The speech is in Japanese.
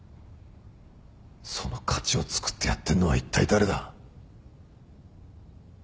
その価値をつくってやってんのはいったい誰だ？